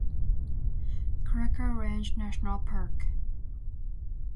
The reserve lies between Kinabalu Park and Crocker Range National Park.